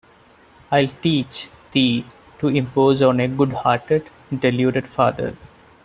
I’ll teach thee to impose on a good-hearted, deluded father.